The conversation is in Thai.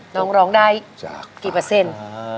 น้องร้องได้กี่เปอร์เซ็นต์